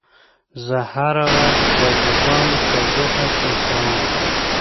زه هره ورځ د ګودام تودوخه چک کوم.